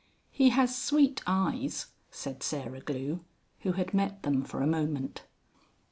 "He has sweet eyes," said Sarah Glue, who had met them for a moment.